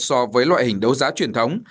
so với loại hình đấu giá truyền thống